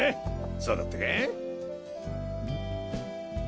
そうだったか？